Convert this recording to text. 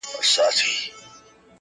د ستني سر چــي د ملا له دره ولـويـــږي.